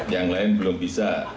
yang lain belum bisa